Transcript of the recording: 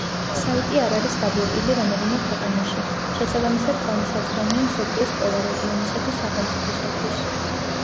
საიტი არ არის დაბლოკილი რომელიმე ქვეყანაში, შესაბამისად ხელმისაწვდომია მსოფლიოს ყველა რეგიონისა თუ სახელმწიფოსათვის.